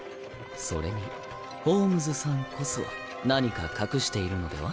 それにホームズさんこそ何か隠しているのでは？